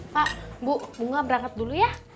pak bu bunga berangkat dulu ya